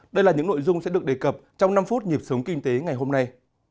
đây là những nội dung sẽ được đề cập trong năm phút nhịp sống kinh tế ngày hôm nay